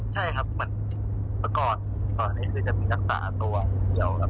ใช่ครับเหมือนเมื่อก่อนตอนเนี้ยคือจะมีทักษะตัวเกี่ยวครับ